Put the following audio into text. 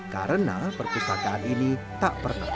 karena perpustakaan ini tak pernah berakhir